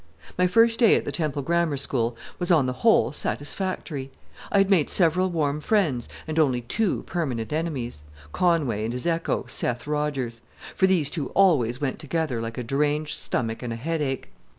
My first day at the Temple Grammar School was on the whole satisfactory. I had made several warm friends and only two permanent enemies Conway and his echo, Seth Rodgers; for these two always went together like a deranged stomach and a headache.